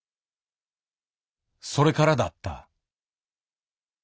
それからだった。